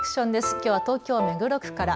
きょうは東京目黒区から。